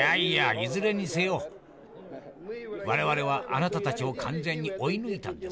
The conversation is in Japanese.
いずれにせよ我々はあなたたちを完全に追い抜いたんです。